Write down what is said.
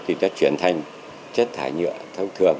thì đã chuyển thành chất thải nhựa thông thường